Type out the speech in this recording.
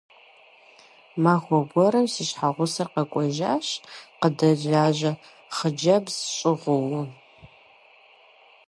Махуэ гуэрым си щхьэгъусэр къэкӏуэжащ къыдэлажьэ хъыджэбз щӀыгъуу.